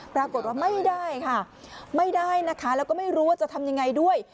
ปรากฏว่าไม่ได้ค่ะไม่ได้นะคะแล้วก็ไม่รู้ว่าจะทำยังไงด้วย